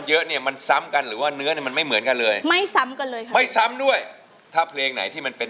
เจ้าหวานแถวที่คุยกันไปปล่อยให้ไปทบส่วน